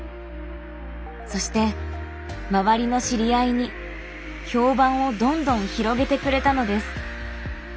そして周りの知り合いに評判をどんどん広げてくれたのです。